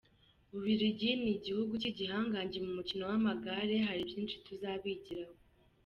U Bubiligi ni igihugu cy’igihanganye mu mukino w’amagare, hari byinshi tuzabigiraho.